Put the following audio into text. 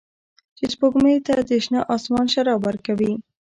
چې سپوږمۍ ته د شنه اسمان شراب ورکوي